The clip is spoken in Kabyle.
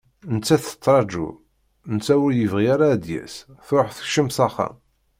Nettat tettraju, netta ur yebɣi ara ad d-yas, truḥ tekcem s axxam.